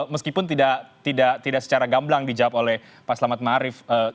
meskipun tidak secara gamblang dijawab oleh pak selamat ma'arif